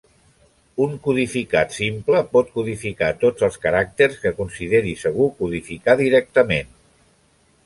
Un codificat simple pot codificar tots els caràcters que consideri segur codificar directament.